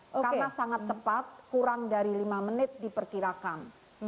karena sangat cepat kurang dari lima menit diperkirakan